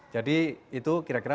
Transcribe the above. jadi itu kira kira